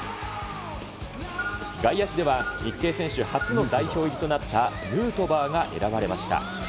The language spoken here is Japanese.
外野手では、日系選手初の代表入りとなったヌートバーが選ばれました。